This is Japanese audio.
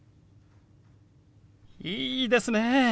いいですね。